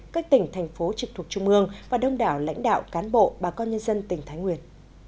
các tỉnh thành phố trực thuộc trung mương và đông đảo lãnh đạo cán bộ bà con nhân dân tỉnh thái nguyên